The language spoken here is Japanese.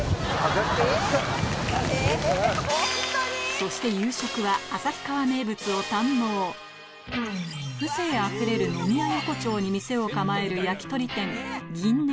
そして夕食は旭川名物を堪能風情あふれる飲み屋横丁に店を構える行きたいな！